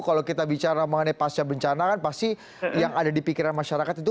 kalau kita bicara mengenai pasca bencana kan pasti yang ada di pikiran masyarakat itu